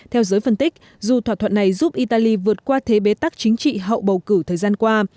theo giới phân tích dù thỏa thuận này giúp italy vượt qua thế bế tắc chính trị hậu bầu cử thời gian qua